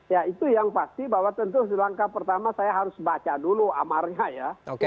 ya itu yang pasti bahwa tentu langkah pertama saya harus baca dulu amarnya ya